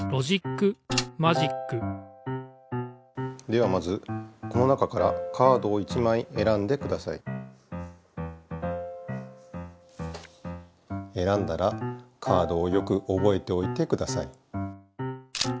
ではまずこの中からカードを１枚えらんでください。えらんだらカードをよくおぼえておいてください。